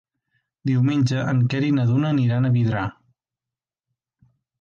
Diumenge en Quer i na Duna aniran a Vidrà.